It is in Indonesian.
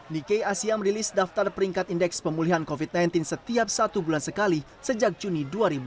nikkei asia merilis daftar peringkat indeks pemulihan covid sembilan belas setiap satu bulan sekali sejak juni dua ribu dua puluh